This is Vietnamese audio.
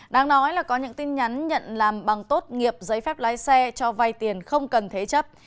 đáng nói là có những tin nhắn nhận làm bằng tốt nghiệp giấy phép lái xe cho vay tiền không cần thế chấp